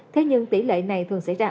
thế nhưng tỷ lệ này thường xảy ra